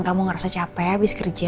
kamu ngerasa capek habis kerja